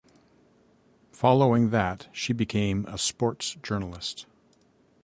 Following that she became a sports journalist.